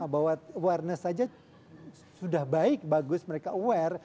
bahwa awareness saja sudah baik bagus mereka aware